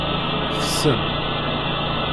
Tessen.